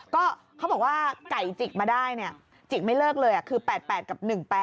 ก็เขาบอกว่าไก่จิกมาได้เนี่ยจิกไม่เลิกเลยคือ๘๘กับ๑๘